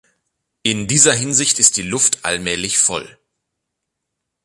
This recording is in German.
In dieser Hinsicht ist die Luft allmählich voll.